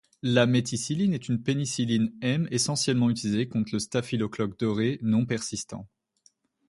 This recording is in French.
La méticilline est une pénicilline M essentiellement utilisée contre le staphylocoque doré non résistant.